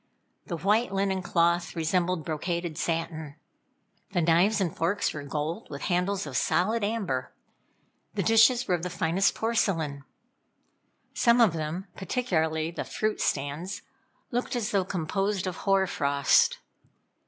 The white linen cloth resembled brocaded satin. The knives and forks were gold, with handles of solid amber. The dishes were of the finest porcelain. Some of them, particularly the fruit stands, looked as though composed of hoar frost.